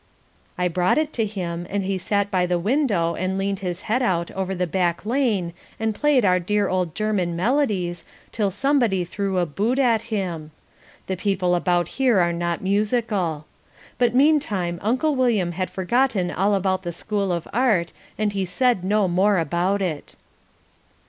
I brought it to him and he sat by the window and leaned his head out over the back lane and played our dear old German melodies, till somebody threw a boot at him. The people about here are not musical. But meantime Uncle William had forgotten all about the School of Art, and he said no more about it.